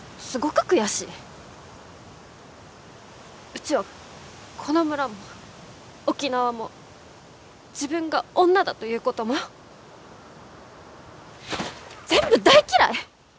うちはこの村も沖縄も自分が女だということも全部大嫌い！